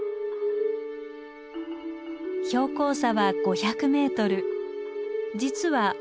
標高差は５００ｍ。